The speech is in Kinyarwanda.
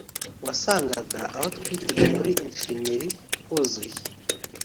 wasangaga aho twitaga muri infirmerie huzuye